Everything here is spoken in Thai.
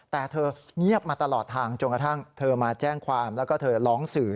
แต่เธอเงียบมาตลอดทางจนกระทั่งเธอมาแจ้งความแล้วก็เธอร้องสื่อ